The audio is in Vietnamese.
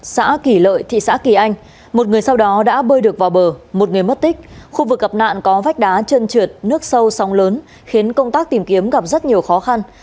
xã kỳ lợi thị xã kỳ anh một người sau đó đã bơi được vào bờ một người mất tích khu vực gặp nạn có vách đá chân trượt nước sâu sóng lớn khiến công tác tìm kiếm gặp rất nhiều khó khăn